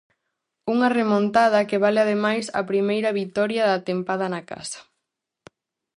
Unha remontada que vale ademais a primeira vitoria da tempada na casa.